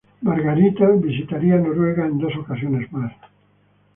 Margarita visitaría Noruega en dos ocasiones más.